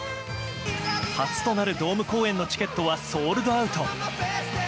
初となるドーム公演のチケットはソールドアウト。